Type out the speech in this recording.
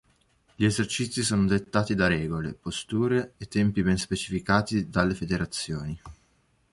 Gli esercizi sono dettati da regole, posture e tempi ben specificati dalle Federazioni.